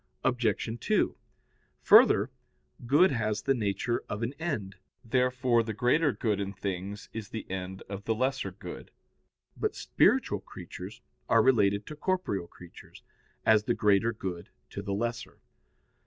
Obj. 2: Further, good has the nature of an end; therefore the greater good in things is the end of the lesser good. But spiritual creatures are related to corporeal creatures, as the greater good to the lesser.